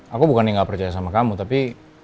aku bukan yang gak percaya sama kamu tapi